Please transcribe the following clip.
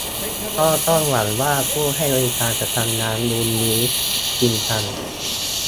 ก็ต้องหวังว่าผู้ให้บริการจะทำงานดุลนี้จริงจัง